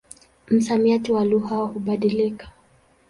Msamiati wa lugha hubadilika.